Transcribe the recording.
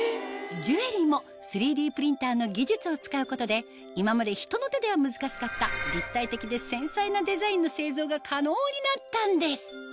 ジュエリーも３Ｄプリンターの技術を使うことで今まで人の手では難しかったが可能になったんです